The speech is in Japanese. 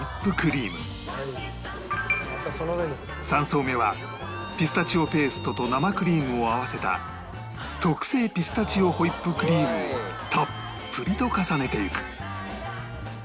３層目はピスタチオペーストと生クリームを合わせた特製ピスタチオホイップクリームをたっぷりと重ねていく